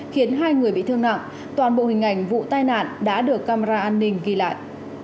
khiến hai người bị thương nặng toàn bộ hình ảnh vụ tai nạn đã được camera an ninh ghi lại